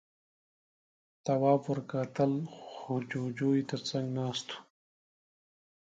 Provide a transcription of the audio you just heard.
تواب ور وکتل، جُوجُو يې تر څنګ ناست و.